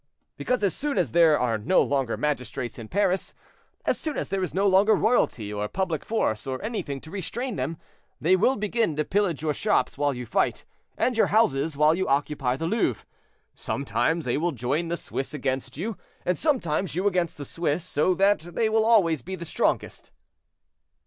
"Because as soon as there are no longer magistrates in Paris, as soon as there is no longer royalty, or public force, or anything to restrain them, they will begin to pillage your shops while you fight, and your houses while you occupy the Louvre. Sometimes they will join the Swiss against you, and sometimes you against the Swiss, so that they will always be the strongest."